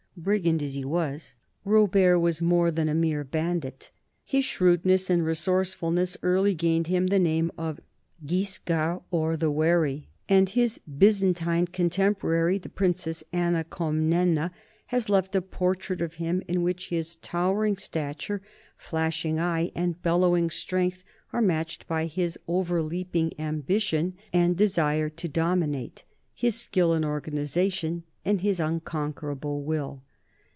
Brigand as he was, Rob ert was more than a mere bandit. His shrewdness and resourcefulness early gained him the name of Guis card, or the wary, and his Byzantine contemporary, the princess Anna Comnena, has left a portrait of him in which his towering stature, flashing eye, and bellowing strength are matched by his overleaping ambition and 202 NORMANS IN EUROPEAN HISTORY desire to dominate, his skill in organization, and his unconquerable will.